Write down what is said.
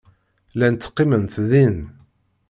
Llant qqiment din.